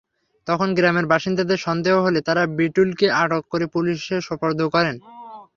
তখন গ্রামের বাসিন্দাদের সন্দেহ হলে তাঁরা বিটুলকে আটক করে পুলিশে সোপর্দ করেন।